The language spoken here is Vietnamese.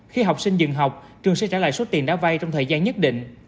khi học sinh dừng học trường sẽ trả lại số tiền đã vay trong thời gian nhất định